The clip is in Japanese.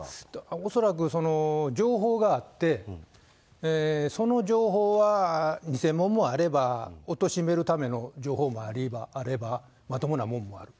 恐らくその情報があって、その情報は偽物もあれば、おとしめるための情報もあれば、まともなもんもある。